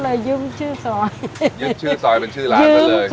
สวัสดีครับ